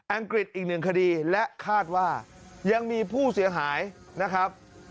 องกฤษอีกหนึ่งคดีและคาดว่ายังมีผู้เสียหายนะครับ